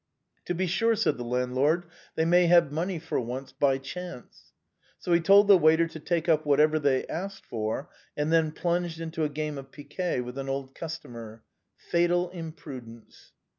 " To be sure," said the landlord, " they may have money for once, by chance." So he told the waiter to take up whatever they asked for, and then plunged into a game of piquet with an old customer. Fatal imprudence